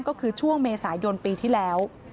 ก็คือช่วงเมษายนปีที่แล้ว